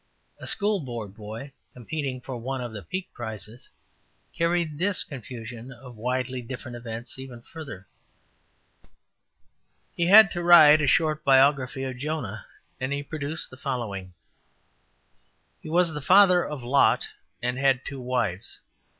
'' A School Board boy, competing for one of the Peek prizes, carried this confusion of widely different events even farther. He had to write a short biography of Jonah, and he produced the following: ``He was the father of Lot, and had two wives.